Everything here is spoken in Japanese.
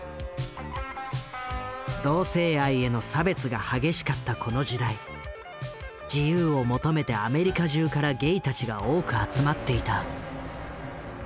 同性愛への差別が激しかったこの時代自由を求めてアメリカ中からゲイたちが多く集まっていた。